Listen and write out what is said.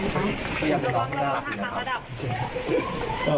อาจจะเฉียบรักเรามากระดับ